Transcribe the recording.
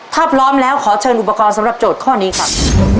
ถ้าพร้อมแล้วขอเชิญอุปกรณ์สำหรับโจทย์ข้อนี้ครับ